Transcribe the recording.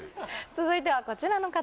続いてはこちらの方。